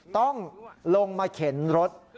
ต้องลงมาเข็นรถ